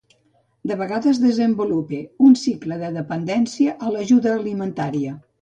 De vegades desenvolupe un cicle de dependència a l'ajuda alimentària.